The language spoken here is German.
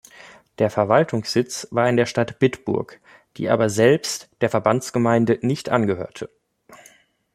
Der Verwaltungssitz war in der Stadt Bitburg, die aber selbst der Verbandsgemeinde nicht angehörte.